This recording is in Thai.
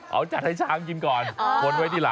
เอาจัดให้ช้างกินก่อนคนไว้ที่หลัง